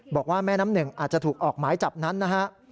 บอกว่าแม่น้ำหนึ่งอาจจะถูกออกหมายจับนั้นนะฮะ